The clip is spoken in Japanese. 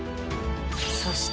そして。